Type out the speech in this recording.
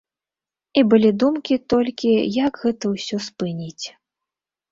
І былі думкі толькі, як гэта ўсё спыніць.